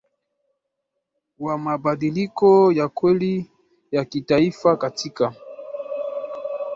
wa mabadiliko ya kweli ya kitaifa Katika